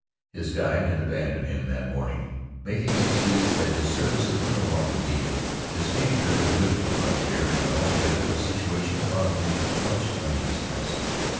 His guide had abandoned him that morning, making excuse that his services were no longer needed; his teamster was new to the frontier, and, altogether, the situation caused him much uneasiness.